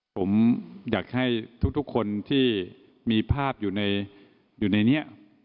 ผมอยากให้ทุกคนที่มีภาพอยู่ในนี้